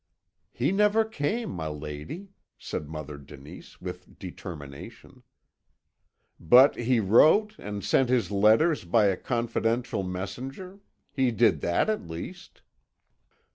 "He never came, my lady," said Mother Denise, with determination. "But he wrote, and sent his letters by a confidential messenger; he did that at least."